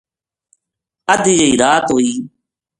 ادھی جئی رات ہوئی